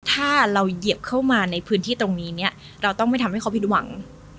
ถ้าเราเหยียบเข้ามาในพื้นที่ตรงนี้เนี่ยเราต้องไม่ทำให้เขาผิดหวัง